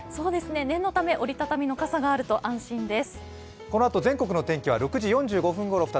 念のため、折り畳みの傘があると安心です。